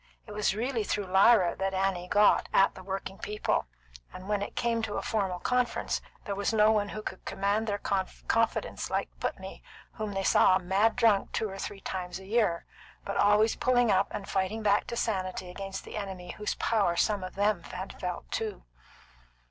It was really through Lyra that Annie got at the working people, and when it came to a formal conference, there was no one who could command their confidence like Putney, whom they saw mad drunk two or three times a year, but always pulling up and fighting back to sanity against the enemy whose power some of them had felt too.